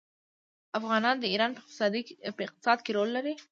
افغانان د ایران په اقتصاد کې رول لري.